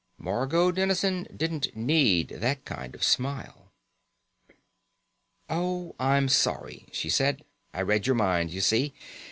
Margot Dennison didn't need that kind of smile. "Oh, I'm sorry," she said. "I read your mind, you see.